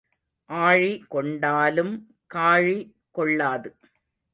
ஆழி கொண்டாலும் காழி கொள்ளாது.